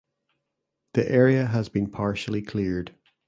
The area has been partially cleared.